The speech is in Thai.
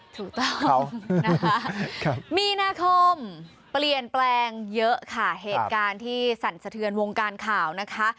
ถูกต้องนะคะมีนาคมเปลี่ยนแปลงเยอะค่ะเหตุการณ์ที่สั่นสะเทือนวงการข่าวนะคะ